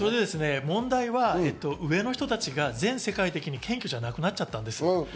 問題は、上の人たちが全世界的に謙虚じゃなくなった。